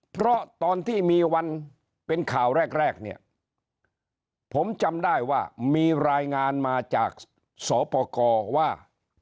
เพราะตอนที่มีวันเป็นข่าวแรกแรกเนี่ยผมจำได้ว่ามีรายงานมาจากสปกรว่า